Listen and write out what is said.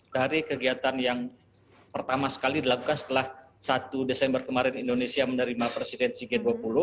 dari kegiatan yang pertama sekali dilakukan setelah satu desember kemarin indonesia menerima presidensi g dua puluh